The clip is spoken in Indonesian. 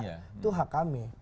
itu hak kami